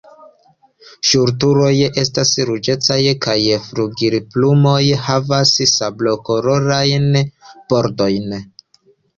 Ŝultroj estas ruĝecaj kaj flugilplumoj havas sablokolorajn bordojn.